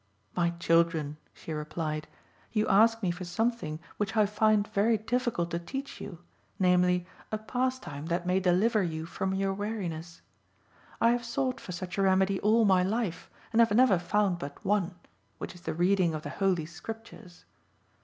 "My children," she replied, "you ask me for something which I find very difficult to teach you, namely, a pastime that may deliver you from your weariness. I have sought for such a remedy all my life and have never found but one, which is the reading of the Holy Scriptures.